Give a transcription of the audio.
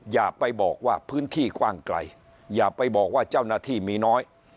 อย่าไปบอกว่าพื้นที่กว้างไกลอย่าไปบอกว่าเจ้าหน้าที่มีน้อย